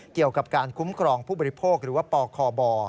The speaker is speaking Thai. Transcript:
เกี่ยวกับการคุ้มครองผู้บริโภคหรือว่าปคบ